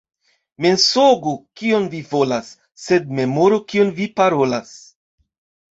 Mensogu kiom vi volas, sed memoru kion vi parolas.